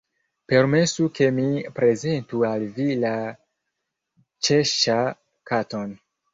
Permesu ke mi prezentu al vi la Ĉeŝŝa_ Katon."